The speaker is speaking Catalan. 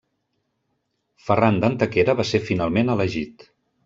Ferran d'Antequera va ser finalment elegit.